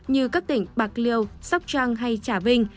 như các tỉnh bạc liêu sóc trăng hay trà vinh